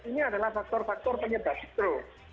ini adalah faktor faktor penyebab stroke